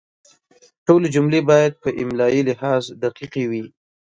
ټولې جملې باید په املایي لحاظ دقیقې وي.